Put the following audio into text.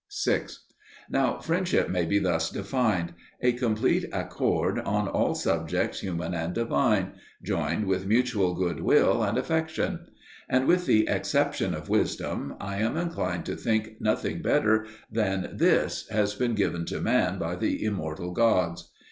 6. Now friendship may be thus defined: a complete accord on all subjects human and divine, joined with mutual goodwill and affection. And with the exception of wisdom, I am inclined to think nothing better than this has been given to man by the immortal gods.